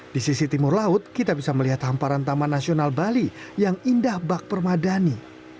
di sisi timur laut kita bisa melihat hamparan taman nasional bali yang indah bak permadani